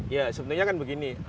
ya sebenarnya kan begini